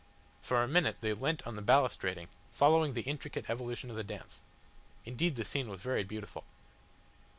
For a minute they leant on the balustrading, following the intricate evolution of the dance. Indeed the scene was very beautiful.